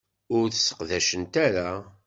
Ur t-sseqdacent ara.